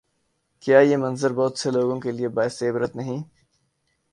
کیا یہ منظر بہت سے لوگوں کے لیے باعث عبرت نہیں؟